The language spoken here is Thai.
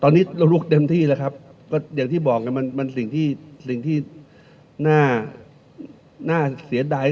ตอนนี้เราลุกเต็มที่แล้วครับก็อย่างที่บอกไงมันสิ่งที่สิ่งที่น่าเสียดาย